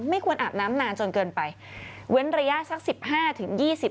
ควรอาบน้ำนานจนเกินไปเว้นระยะสักสิบห้าถึงยี่สิบ